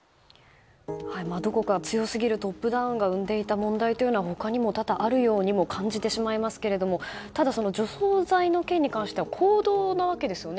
どこか強すぎるトップダウンが生んでいた問題というのは他にも多々あるように感じてしまいますがただ、除草剤の件に関しては公道なわけですよね。